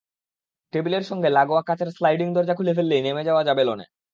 টেবিলের সঙ্গে লাগোয়া কাচের স্লাইডিং দরজা খুলে ফেললেই নেমে যাওয়া যাবে লনে।